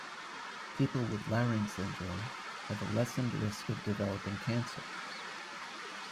People with Laron syndrome have a lessened risk of developing cancer.